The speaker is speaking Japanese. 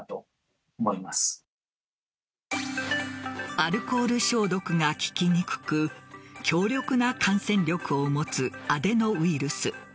アルコール消毒が効きにくく強力な感染力を持つアデノウイルス。